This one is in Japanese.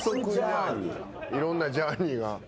いろんなジャーニーが。